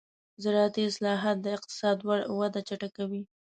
زراعتي اصلاحات د اقتصاد وده چټکوي.